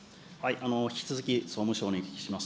引き続き総務省にお聞きします。